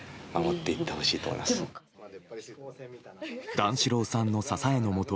段四郎さんの支えのもと